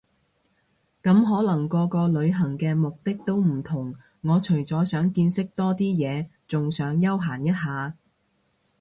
咁可能個個旅行嘅目的都唔同我除咗想見識多啲嘢，仲想休閒一下